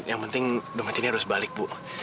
yang penting debat ini harus balik bu